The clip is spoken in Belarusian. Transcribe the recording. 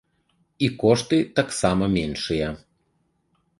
І кошты таксама меншыя.